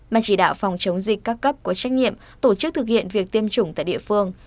mà chỉ đạo phòng chống dịch các cấp có trách nhiệm tổ chức thực hiện việc tiêm chủng tại địa phương